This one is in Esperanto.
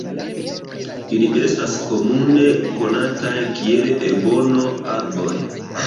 Ili estas komune konataj kiel ebono-arboj.